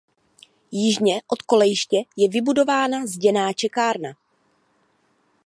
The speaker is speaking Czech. Jižně od kolejiště je vybudována zděná čekárna.